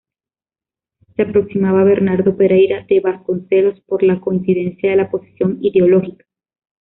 Se aproximaba a Bernardo Pereira de Vasconcelos, por la coincidencia de la posición ideológica.